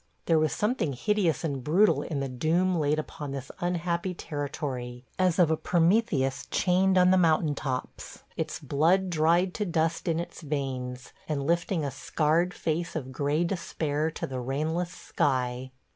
... There was something hideous and brutal in the doom laid upon this unhappy territory, as of a Prometheus chained on the mountain tops; its blood dried to dust in its veins, and lifting a scarred face of gray despair to the rainless sky.